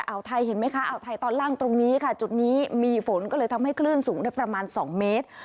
ไทยเห็นไหมคะอ่าวไทยตอนล่างตรงนี้ค่ะจุดนี้มีฝนก็เลยทำให้คลื่นสูงได้ประมาณ๒เมตร